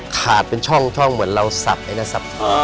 ขาดเป็นช่องว่าเราทรัพย์ไว้นะ